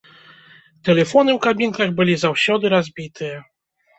Тэлефоны ў кабінках былі заўсёды разбітыя.